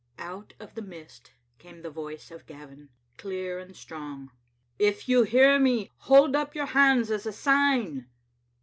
Out of the mist came the voice of Gavin, clear and strong —" If you hear me, hold up your hands as a sign."